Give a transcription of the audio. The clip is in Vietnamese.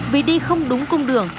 vì đi không đúng cung đường